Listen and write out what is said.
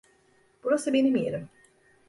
Burası benim yerim.